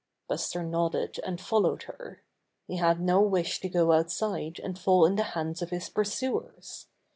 Buster nodded, and followed her. He had no wish to go outside and fall in the hands of his pursuers.